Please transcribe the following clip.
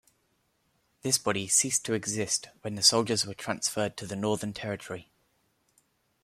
This body ceased to exist when the soldiers were transferred to the Northern Territory.